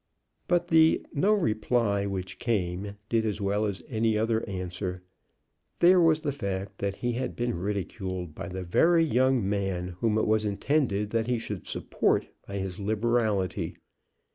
But the no reply which came did as well as any other answer. There was the fact that he had been ridiculed by the very young man whom it was intended that he should support by his liberality.